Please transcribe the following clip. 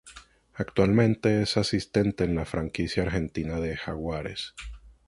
Actualmente es asistente en la franquicia argentina de Jaguares.